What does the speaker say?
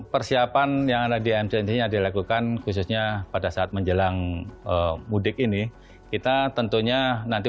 persiapan yang ada di mz nya dilakukan khususnya pada saat menjelang mudik ini kita tentunya nanti